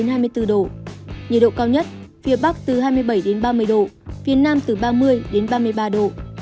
nhiệt độ cao nhất phía bắc từ hai mươi bảy đến ba mươi độ phía nam từ ba mươi đến ba mươi ba độ